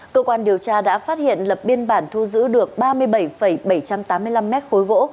cơ quan điều tra đã phát hiện lập biên bản thu giữ được ba mươi bảy bảy trăm tám mươi năm mét khối gỗ